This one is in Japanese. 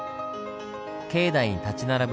境内に立ち並ぶ